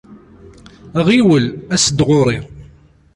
Ɣiwel, as-d ɣur-i!